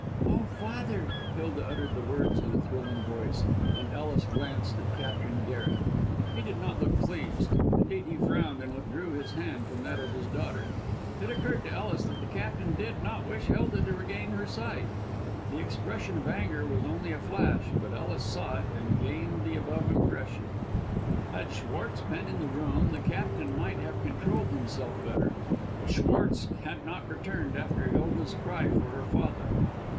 "Oh, father!" Hilda uttered the words in a thrilling voice, and Ellis glanced at Captain Garret. He did not look pleased; indeed he frowned and withdrew his hand from that of his daughter. It occurred to Ellis that the Captain did not wish Hilda to regain her sight. The expression of anger was only a flash, but Ellis saw it, and gained the above impression. Had Schwartz been in the room, the Captain might have controlled himself better, but Schwartz had not returned after Hilda's cry for her father.